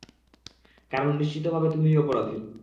কারণ নিশ্চিতভাবে তুমিই অপরাধী।